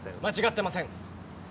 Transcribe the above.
間違ってません！